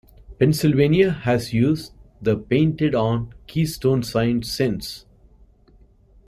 Pennsylvania has used the painted-on keystone signs since.